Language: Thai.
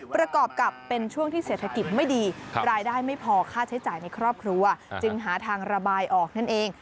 ประกอบกับเป็นช่วงที่เศรษฐกิจไม่ดีรายได้ไม่พอค่าใช้จ่ายในครอบครัวจึงหาทางระบายออกนั่นเอง